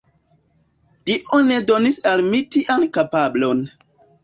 Dio ne donis al mi tian kapablon.